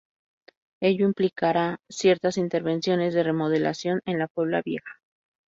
Ello implicará ciertas intervenciones de remodelación en la Puebla Vieja.